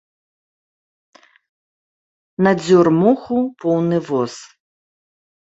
Надзёр моху поўны воз.